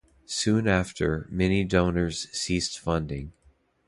Soon after, many donors ceased funding.